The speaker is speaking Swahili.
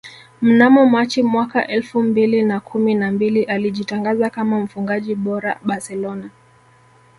Mnamo Machi mwaka elfu mbili na kumi na mbili alijitangaza kama mfungaji bora Barcelona